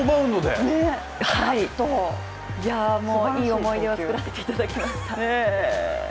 はい、いい思い出を作らせていただきました。